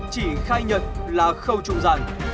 chỉ khai nhận là khâu trung giản